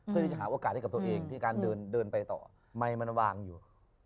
เพื่อที่จะหาโอกาสเลี้ยงกับตัวเองมันคงวางอยู่